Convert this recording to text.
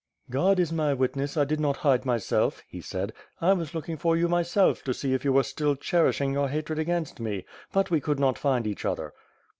"God is my witness, I did not hide myself," he said, "I was looking for you, myself, to see if you were still cherishing your hatred against me, but we could not find each other."